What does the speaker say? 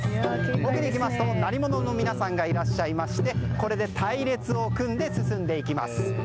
後ろには鳴り物の皆さんがいらっしゃいまして、これで隊列を組んで進んでいきます。